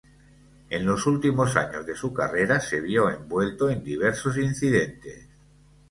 En los últimos años de su carrera se vio envuelto en diversos incidentes.